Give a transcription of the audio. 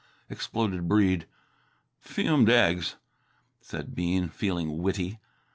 exploded Breede. "Fumed eggs," said Bean, feeling witty.